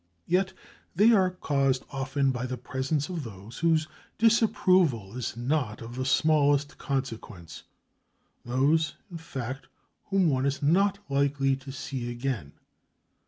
Yet they are caused often by the presence of those whose disapproval is not of the smallest consequence, those, in fact, whom one is not likely to see again.